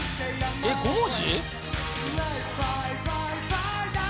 えっ５文字！？